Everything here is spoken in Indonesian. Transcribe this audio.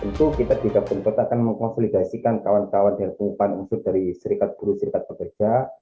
tentu kita di kabupaten kota akan mengkonsolidasikan kawan kawan dari pengupan unsur dari serikat buruh serikat pekerja